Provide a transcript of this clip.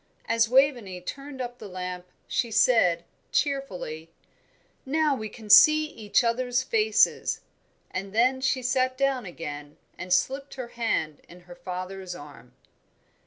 As Waveney turned up the lamp she said, cheerfully, "Now we can see each other's faces," and then she sat down again and slipped her hand in her father's arm.